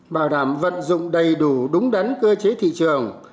bảo đảm vận dụng đầy đủ đúng đắn cơ chế thị trường